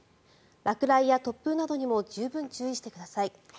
落雷や突風などにも十分注意してください。